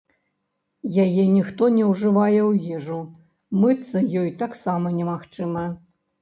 Яе ніхто не ўжывае ў ежу, мыцца ёй таксама немагчыма.